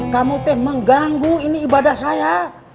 kamu tuh mengganggu ini ibadah saya